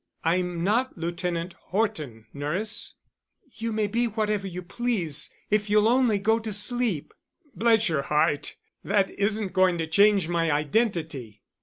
I'm not Lieutenant Horton, nurse." "You may be whatever you please, if you'll only go to sleep." "Bless your heart! That isn't going to change my identity."